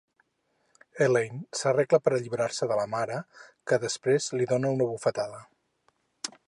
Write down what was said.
Elaine s'arregla per alliberar-se de la mare, que després li dona una bufetada.